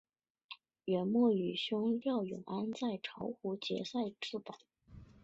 元末与兄廖永安在巢湖结寨自保。